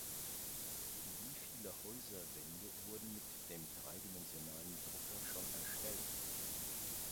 Wieviele Häuserwände wurden mit dem dreidimensionalen Drucker schon erstellt?